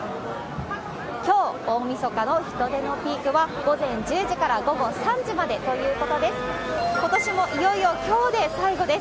きょう大みそかの人出のピークは、午前１０時から午後３時までということです。